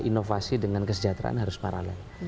inovasi dengan kesejahteraan harus paralel